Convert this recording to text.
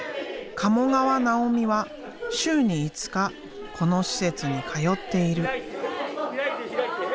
鴨川尚美は週に５日この施設に通っている。